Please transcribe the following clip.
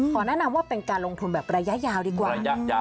ขอแนะนำว่าเป็นการลงทุนแบบระยะยาวดีกว่า